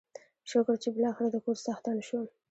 شکر چې بلاخره دکور څښتن شوم.